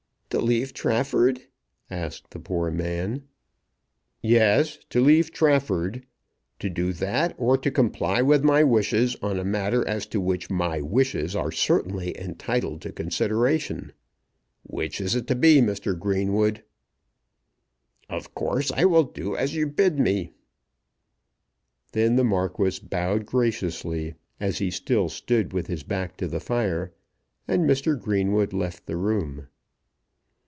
"To leave Trafford?" asked the poor man. "Yes; to leave Trafford; to do that or to comply with my wishes on a matter as to which my wishes are certainly entitled to consideration. Which is it to be, Mr. Greenwood?" "Of course, I will do as you bid me." Then the Marquis bowed graciously as he still stood with his back to the fire, and Mr. Greenwood left the room.